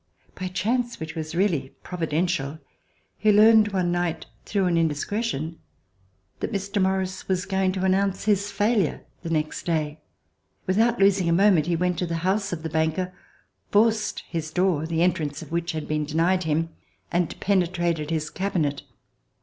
By a chance which was really providential, he learned one night through an indiscretion that Mr. Morris was going to announce his failure the next day. Without losing a moment, he went to the house of the banker, forced his door, the entrance of which had been denied him, and penetrated his cabinet.